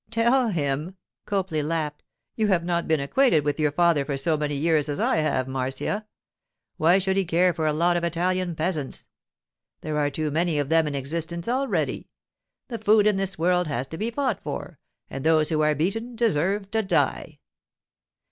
'Tell him!' Copley laughed. 'You have not been acquainted with your father for so many years as I have, Marcia. Why should he care for a lot of Italian peasants? There are too many of them in existence already. The food in this world has to be fought for, and those who are beaten deserve to die.